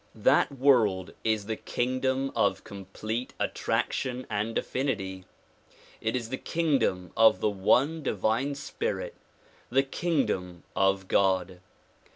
That world is the king dom of complete attraction and affinity. It is the kingdom of the one divine spirit, the kingdom of God.